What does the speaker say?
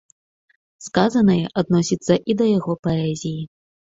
Сказанае адносіцца і да яго паэзіі.